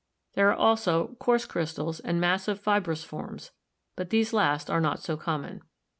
There are also coarse crystals and massive fibrous forms, but these last are not so common.